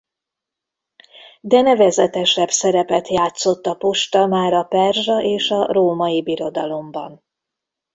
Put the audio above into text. De nevezetesebb szerepet játszott a posta már a perzsa és a római birodalomban.